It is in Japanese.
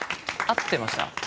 合ってました。